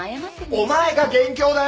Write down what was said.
お前が元凶だよ！